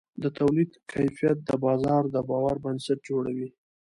د تولید کیفیت د بازار د باور بنسټ جوړوي.